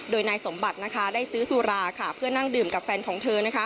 โดยนายสมบัติได้ซื้อสุราเพื่อนั่งดื่มกับแฟนของเธอ